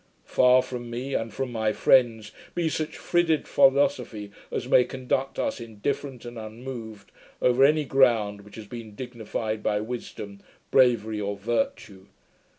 Far from me, and from my friends, be such frigid philosophy as may conduct us indifferent and unmoved over any ground which has been dignified by wisdom, bravery or virtue.